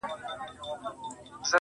• جرس فرهاد زما نژدې ملگرى.